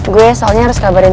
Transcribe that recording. gue soalnya harus kabarin